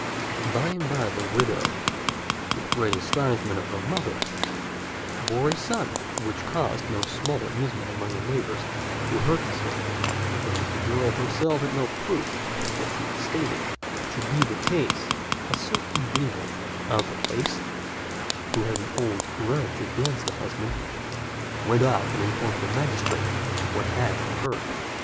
By and by the widow, to the great astonishment of her mother, bore a son, which caused no small amusement among the neighbours who heard the story; and, as the girl herself had no proof of what she stated to be the case, a certain beadle of the place, who had an old grudge against her husband, went off and informed the magistrate of what had occurred.